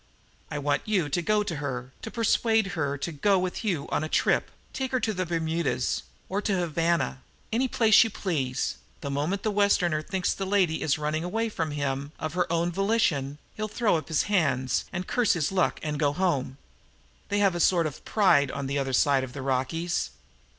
I want you to go to her, to persuade her to go away with you on a trip. Take her to the Bermudas, or to Havana any place you please. The moment the Westerner thinks his lady is running away from him of her own volition he'll throw up his hands and curse his luck and go home. They have that sort of pride on the other side of the Rockies.